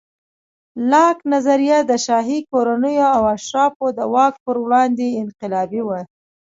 لاک نظریه د شاهي کورنیو او اشرافو د واک پر وړاندې انقلابي وه.